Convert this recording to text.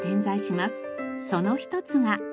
その一つが。